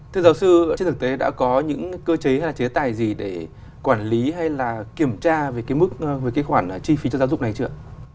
thưa giáo sư trên thực tế đã có những cơ chế hay là chế tài gì để quản lý hay là kiểm tra về cái mức về cái khoản chi phí cho giáo dục này chưa